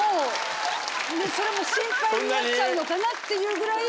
それも心配になっちゃうのかなっていうぐらい。